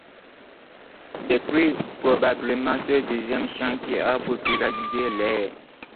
C'est plus probablement ce deuxième chant qui a popularisé l'air.